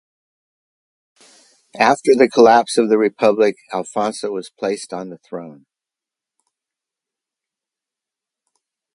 After the collapse of the Republic, Alfonso was placed on the throne.